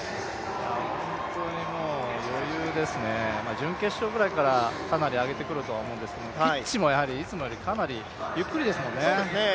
本当に余裕ですね、準決勝ぐらいからかなり上げてくると思いますがピッチもいつもよりかなりゆっくりですもんね。